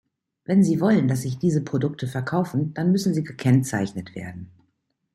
Wenn Sie wollen, dass sich diese Produkte verkaufen, dann müssen sie gekennzeichnet werden.